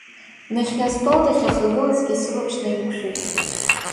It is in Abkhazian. Нахьхьи астол дахьахагылазгьы сылаԥш наиқәшәеит.